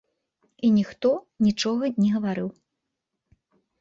І ніхто нічога не гаварыў.